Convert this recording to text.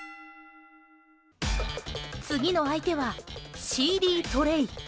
次の相手はＣＤトレー。